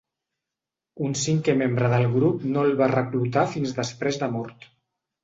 Un cinquè membre del grup no el van reclutar fins després de mort.